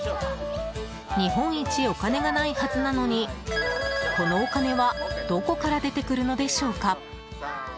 日本一お金がないはずなのにこのお金はどこから出てくるのでしょうか？